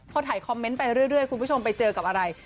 พอถ่ายคอมเมนต์ไปเรื่อยคุณผู้ชมไปเจอกับอะไร